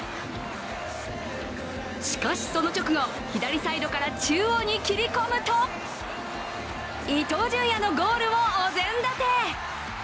しかし、その直後、左サイドから中央に切り込むと伊東純也のゴールをお膳立て。